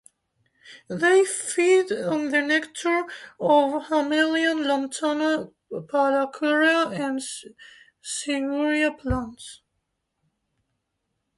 They feed on the nectar of "Hamelia", "Lantana", "Palicourea", and "Psiguria" plants.